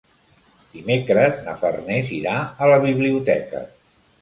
Dimecres na Farners irà a la biblioteca.